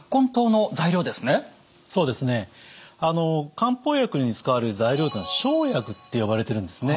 漢方薬に使われる材料っていうのは生薬って呼ばれてるんですね。